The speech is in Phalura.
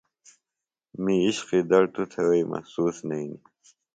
می عِشقی دڑ توۡ تھےۡ وئی محسوس نئینیۡ۔